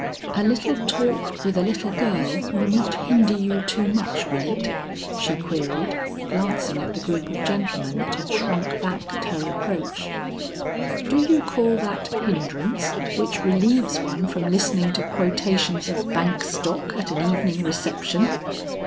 "A little talk with a little girl will not hinder you too much, will it?" she queried, glancing at the group of gentlemen that had shrunk back at her approach. "Do you call that hindrance which relieves one from listening to quotations of bank stock at an evening reception?"